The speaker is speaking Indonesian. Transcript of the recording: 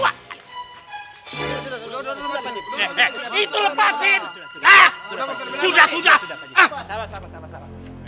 aduh ini kebanyakan